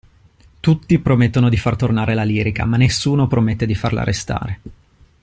Tutti promettono di far tornare la lirica ma nessuno promette di farla restare.